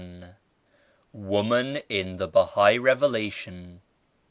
61 WOMAN IN THE BAHAI REVELATION.